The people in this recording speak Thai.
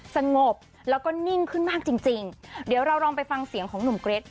สงบแล้วก็นิ่งขึ้นมากจริงจริงเดี๋ยวเราลองไปฟังเสียงของหนุ่มเกรท